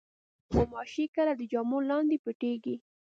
غوماشې کله د جامو لاندې پټېږي.